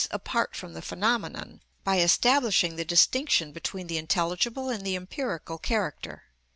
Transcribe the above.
_, apart from the phenomenon,(69) by establishing the distinction between the intelligible and the empirical character.